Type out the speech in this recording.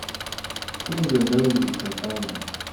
Twins are known to be confounding.